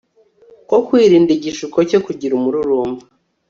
ko kwirinda igishuko cyo kugira umururumba